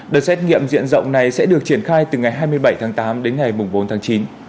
đợt xét nghiệm diện rộng này sẽ được triển khai từ ngày hai mươi bảy tháng tám đến ngày bốn tháng chín